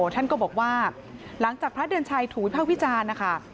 ท่านก็บอกว่าหลังจากพระเดินชัยถูยภาควิจารณ์